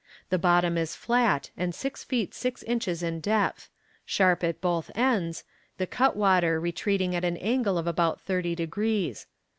The bottom is flat, and six feet six inches in depth sharp at both ends, the cut water retreating at an angle of about thirty degrees.